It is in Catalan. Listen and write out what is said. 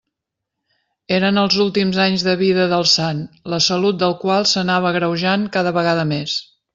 Eren els últims anys de vida del sant, la salut del qual s'anava agreujant cada vegada més.